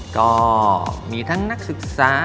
ก็มีทั้งนักศึกษา